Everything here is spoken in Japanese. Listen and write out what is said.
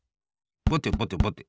ぼてぼてぼて。